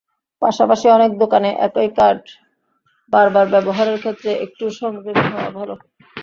পাশাপাশি অনেক দোকানে একই কার্ড বারবার ব্যবহারের ক্ষেত্রে একটু সংযমী হওয়া ভালো।